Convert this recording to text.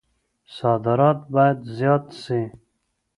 صادرات بايد زيات سي.